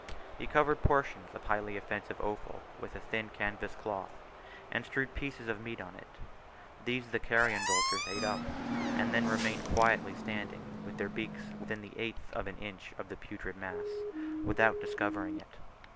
He covered portions of highly offensive offal with a thin canvas cloth, and strewed pieces of meat on it: these the carrion vultures ate up, and then remained quietly standing, with their beaks within the eighth of an inch of the putrid mass, without discovering it.